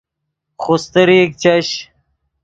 خوستریک چش